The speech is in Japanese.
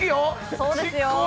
そうですよ。